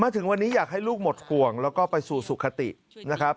ถึงวันนี้อยากให้ลูกหมดห่วงแล้วก็ไปสู่สุขตินะครับ